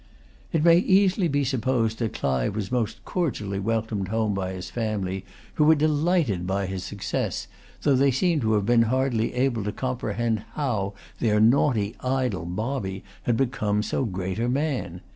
It may easily be supposed that Clive was most cordially welcomed home by his family, who were delighted by his success, though they seem to have been hardly able to comprehend how their naughty idle Bobby had become so great a man.